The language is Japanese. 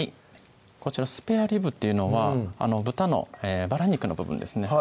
こちらスペアリブっていうのは豚のバラ肉の部分ですね